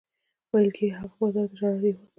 ویل کېږي هغه بازار د ژړا دېوال.